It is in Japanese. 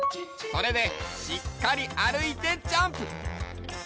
それでしっかりあるいてジャンプ！